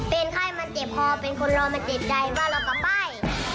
เป็นไข้มันเจ็บคอเป็นคนรอมันเจ็บใจว่าเรากำไบ้